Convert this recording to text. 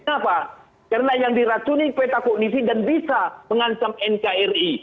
kenapa karena yang diracuni peta kognisi dan bisa mengancam nkri